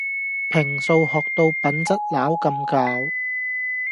平素學到品質撈咁攪